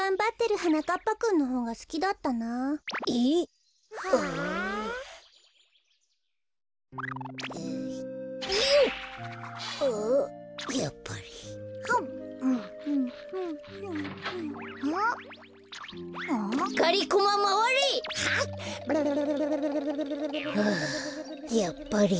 はあやっぱり。